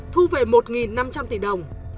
thu về một năm trăm linh tỷ đồng